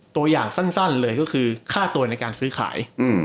ตัวอย่างสั้นเลยก็คือค่าตัวในการซื้อขาย